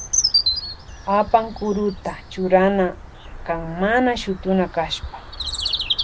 Apankuruta churana kan mana shutuna kashpa.